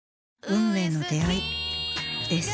運命の出会いです。